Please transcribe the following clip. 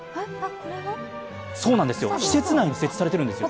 これが施設内に設置されているんですよ。